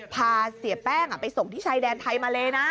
พาเสียแป้งไปส่งที่ชายแดนไทยมาเลนะ